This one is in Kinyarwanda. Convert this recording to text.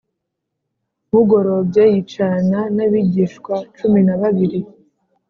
Bugorobye yicarana n abigishwa cumi na babiri